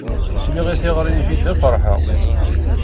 Sliɣ i teɣri n jidda ferḥeɣ.